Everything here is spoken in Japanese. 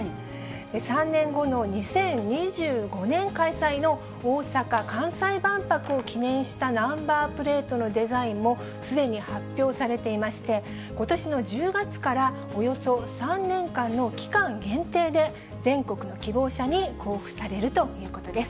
３年後の２０２５年開催の大阪・関西万博を記念したナンバープレートのデザインも、すでに発表されていまして、ことしの１０月からおよそ３年間の期間限定で、全国の希望者に交付されるということです。